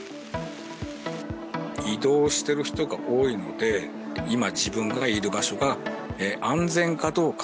移動している人が多いので今、自分がいる場所が安全かどうか